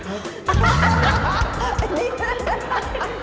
ยินดีครับ